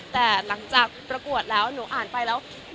แต่หลังจากประกวดแล้วหนูอ่านไปแล้ว